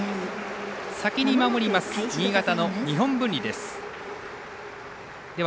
先に守ります新潟の日本文理です。